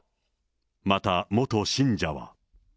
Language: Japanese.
また、元信者は。